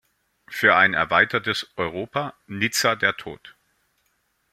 Für ein erweitertes Europa Nizza der Tod.